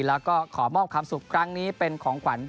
แล้วก็ขอมอบความสุขครั้งนี้เป็นของขวัญ